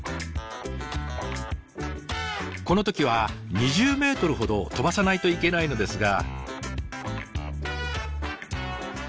この時は２０ｍほど飛ばさないといけないのですが。